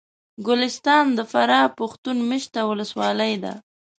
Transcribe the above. ګلستان د فراه پښتون مېشته ولسوالي ده